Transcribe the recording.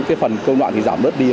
cái phần công đoạn thì giảm bớt đi